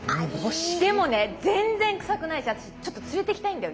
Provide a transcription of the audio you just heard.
でもね全然臭くないし私ちょっと連れていきたいんだよ